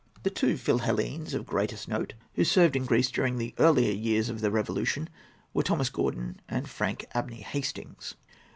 The two Philhellenes of greatest note who served in Greece during the earlier years of the Revolution were Thomas Gordon and Frank Abney Hastings.